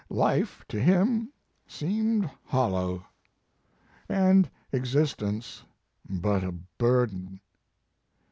Life to him seemed hollow, and existence but a burden.